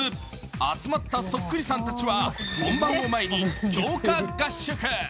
集まったそっくりさんたちは本番を前に強化合宿。